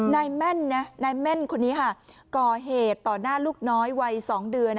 นายเม่นคนนี้ก่อเหตุต่อหน้าลูกน้อยวัย๒เดือน